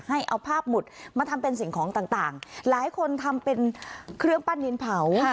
ให้เอาภาพหมุดมาทำเป็นสิ่งของต่างหลายคนทำเป็นเครื่องปั้นดินเผา